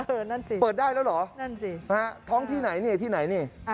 เออนั่นสิเพิ่มได้แล้วเหรอท้องที่ไหนนี่นี่